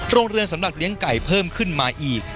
โรงเรือนสำหรับเลี้ยงไก่เพิ่มขึ้นมาอีก